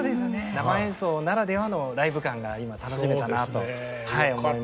生演奏ならではのライブ感が今楽しめたなと思います。